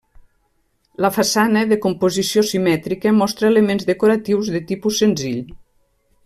La façana, de composició simètrica, mostra elements decoratius de tipus senzill.